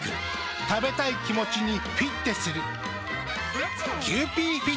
食べたい気持ちにフィッテする。